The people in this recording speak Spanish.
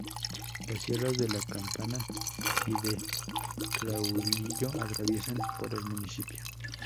Las sierras de La Campana y de Tlahualilo atraviesan por el municipio.